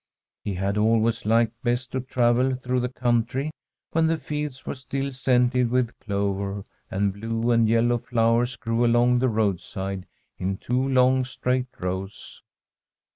He had always liked best to travel through the country when the fields were still scented with clover, and blue and yellow flow ers grew along the roadside in two long straight rows.